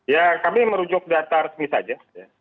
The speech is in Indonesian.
ya kami merujuk data resmi saja